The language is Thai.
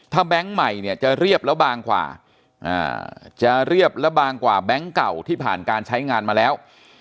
ถ้าแบงค์ใหม่จะเรียบแล้วบางกว่าแบงค์เก่าที่ผ่านการใช้งานมาแล้ว